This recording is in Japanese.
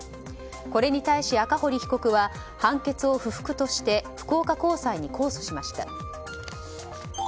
これに対し赤堀被告は判決を不服として福岡高裁に控訴しました。